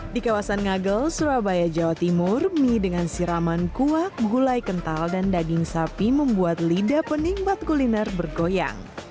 di kawasan ngagel surabaya jawa timur mie dengan siraman kuak gulai kental dan daging sapi membuat lidah penikmat kuliner bergoyang